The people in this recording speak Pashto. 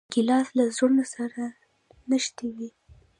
ګیلاس له زړونو سره نښتي وي.